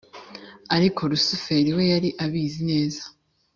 ariko Lusiferi we yari abizi neza